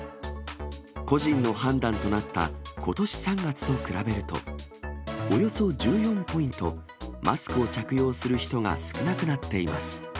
個人の判断となったことし３月と比べると、およそ１４ポイント、マスクを着用する人が少なくなっています。